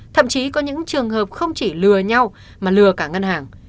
thậm chí có những trường hợp không chỉ lừa nhau mà lừa cả ngân hàng